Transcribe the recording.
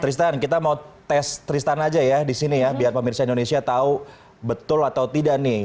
tristan kita mau tes tristan aja ya di sini ya biar pemirsa indonesia tahu betul atau tidak nih